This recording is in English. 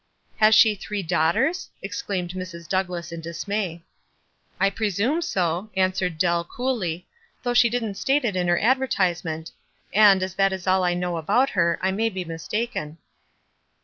"Has she three daughters?" exclaimed Mrs. Douglass, in dismay. "I presume so," answered Dell, coolly, "though she didn't state it in her advertise ment; and, as that is all I know about her, I may be mistaken."